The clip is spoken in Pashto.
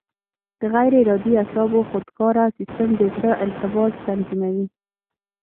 د غیر ارادي اعصابو خودکاره سیستم د زړه انقباض تنظیموي.